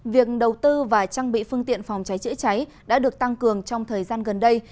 việc đầu tư và trang bị phương tiện phòng cháy chữa cháy đã được tăng cường trong thời gian gần đây